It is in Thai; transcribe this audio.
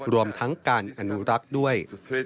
รวมทั้งการอนุรักษ์ด้วย